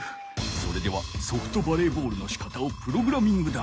それではソフトバレーボールのしかたをプログラミングだ。